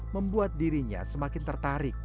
membuat dirinya semakin tertarik